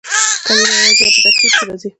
کلیمه یوازي یا په ترکیب کښي راځي.